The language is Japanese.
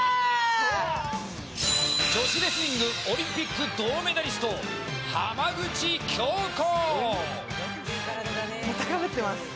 女子レスリングオリンピック銅メダリスト浜口京子。